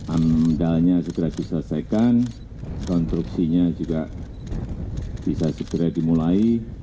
amdalnya segera diselesaikan konstruksinya juga bisa segera dimulai